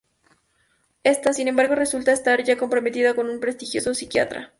Ésta, sin embargo, resulta estar ya prometida con un prestigioso psiquiatra.